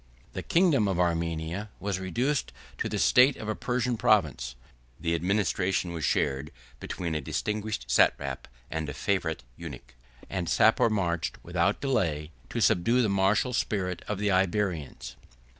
13311 The kingdom of Armenia was reduced to the state of a Persian province; the administration was shared between a distinguished satrap and a favorite eunuch; and Sapor marched, without delay, to subdue the martial spirit of the Iberians.